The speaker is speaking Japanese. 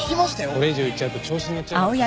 これ以上言っちゃうと調子にのっちゃうからさ。